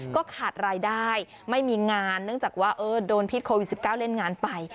ก็ขาดรายได้ไม่มีงานเนื่องจากว่าโดนพิษโควิด๑๙เล่นงานไป